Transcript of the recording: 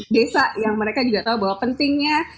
desa yang mereka juga tahu bahwa pentingnya